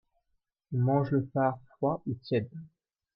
On mange le far froid ou tiède.